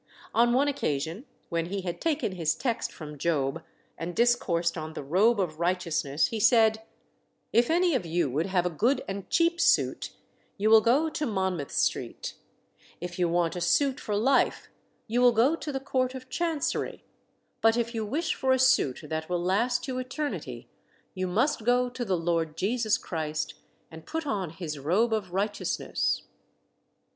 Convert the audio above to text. On one occasion, when he had taken his text from Job, and discoursed on the "Robe of Righteousness," he said "If any of you would have a good and cheap suit, you will go to Monmouth Street; if you want a suit for life, you will go to the Court of Chancery; but if you wish for a suit that will last to eternity, you must go to the Lord Jesus Christ and put on His robe of righteousness."